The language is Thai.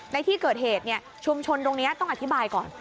ในที่เกิดเหตุชุมชนตรงนี้ต้องอธิบายก่อน